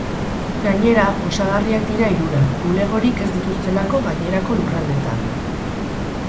Gainera, osagarriak dira hirurak, bulegorik ez dituztelako gainerako lurraldeetan.